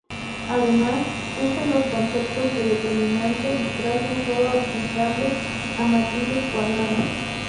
Además, surgen los conceptos de determinante y traza solo aplicables a matrices cuadradas.